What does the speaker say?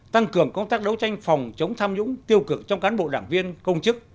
tăng cường công tác đấu tranh phòng chống tham nhũng tiêu cực trong cán bộ đảng viên công chức